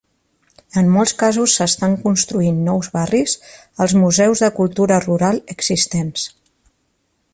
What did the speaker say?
En molts casos s'estan construint nous barris als museus de cultura rural existents.